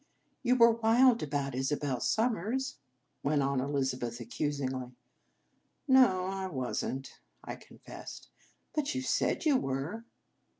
" You were wild about Isabel Sum mers," went on Elizabeth accusingly. " No, I was n t," I confessed. " But you said you were."